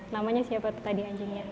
namanya siapa petani anjingnya